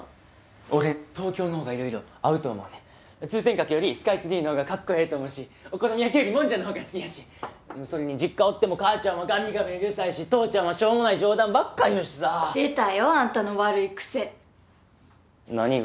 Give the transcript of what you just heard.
俺東京のほうがいろいろ合うと思うねん通天閣よりスカイツリーのほうがかっこええと思うしお好み焼きよりもんじゃのほうが好きやしそれに実家おっても母ちゃんはガミガミうるさいし父ちゃんはしょうもない冗談ばっか言うしさ出たよあんたの悪い癖何が？